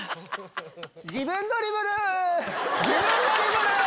自分ドリブル自分ドリブル！